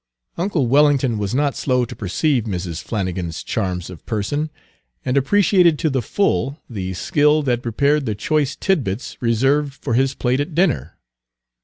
Uncle Wellington was not slow to perceive Mrs. Flannigan's charms of person, and appreciated to the full the skill that prepared the choice tidbits reserved for his plate at dinner.